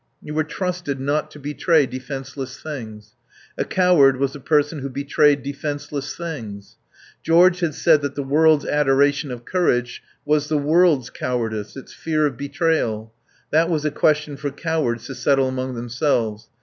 You were trusted not to betray defenceless things. A coward was a person who betrayed defenceless things. George had said that the world's adoration of courage was the world's cowardice, its fear of betrayal. That was a question for cowards to settle among themselves.